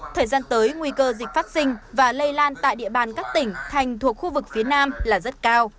thời gian tới nguy cơ dịch phát sinh và lây lan tại địa bàn các tỉnh thành thuộc khu vực phía nam là rất cao